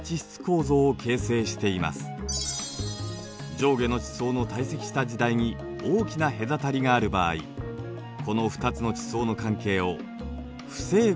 上下の地層の堆積した時代に大きなへだたりがある場合この２つの地層の関係を不整合といいます。